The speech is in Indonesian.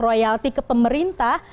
royalti ke pemerintah